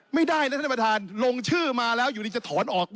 ไม่ได้นะท่านประธานลงชื่อมาแล้วอยู่ดีจะถอนออก